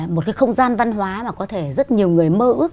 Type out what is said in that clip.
một cái không gian văn hóa mà có thể rất nhiều người mơ ước